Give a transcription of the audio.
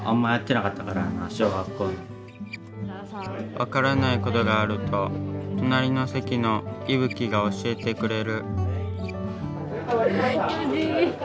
分からないことがあると隣の席のいぶきが教えてくれる。